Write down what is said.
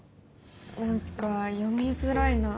何か読みづらいなあ。